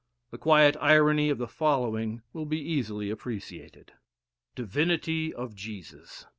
The quiet irony of the following will be easily appreciated: Divinity of Jesus.